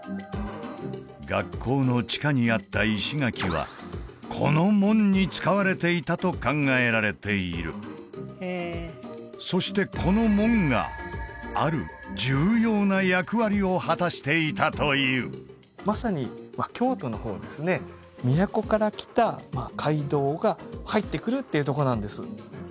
学校の地下にあった石垣はこの門に使われていたと考えられているそしてこの門がある重要な役割を果たしていたというまさに京都の方ですね都から来た街道が入ってくるっていうとこなんです